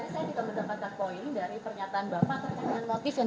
karena kalau penguntip ini dibuat